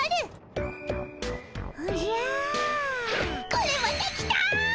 これまたきた！